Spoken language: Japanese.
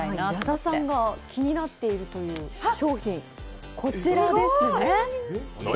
矢田さんが気になってるという商品、こちらですね。